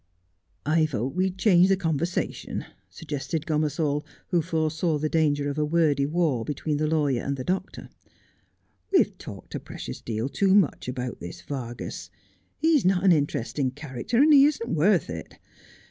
'I vote we change the conversation,' suggested Gomersall, who foresaw the danger of a wordy war between the lawyer and 8 1 Just as I Am. the doctor. ' We've talked a precious deal too nrach about this Vargas. He's not an interesting character, and he isn't worth it.